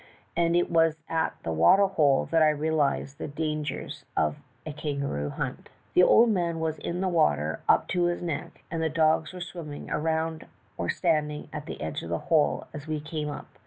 And it was at the water hole that I realized the dan gers of a kangaroo hunt. "The old man was in the water up to his neck and the dogs were swimming around or standing at the edge of the hole as we came up.